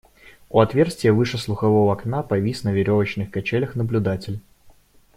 У отверстия выше слухового окна повис на веревочных качелях наблюдатель.